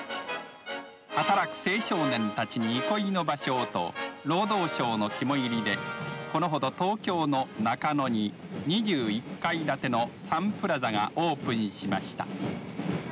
働く青少年たちに憩いの場所をと労働省の肝煎りでこのほど、東京の中野に２１階建てのサンプラザがオープンしました。